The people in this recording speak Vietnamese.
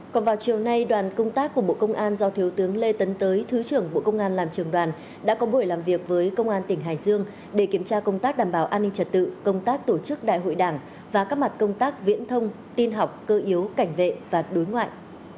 còn vào chiều nay đoàn công tác của bộ công an do thiếu tướng lê tấn tới thứ trưởng bộ công an làm trường đoàn đã có buổi làm việc với công an tỉnh hải dương để kiểm tra công tác đảm bảo an ninh trật tự công tác tổ chức đại hội đảng và các mặt công tác viễn thông tin học cơ yếu cảnh vệ và đối ngoại